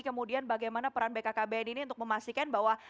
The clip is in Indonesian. kemudian bagaimana peran bkkbn ini untuk memastikan bahwa